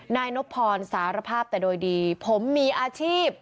นายนบพรสารภาพแต่โดยดีผมมีอาชีพ